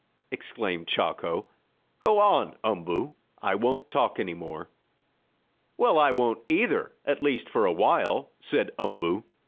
exclaimed Chako. "Go on, Umboo. I won't talk any more." "Well, I won't either at least for a while," said Umboo.